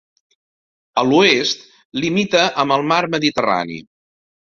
A l'oest limita amb el Mar Mediterrani.